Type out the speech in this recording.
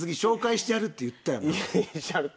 してやるって言ったよ。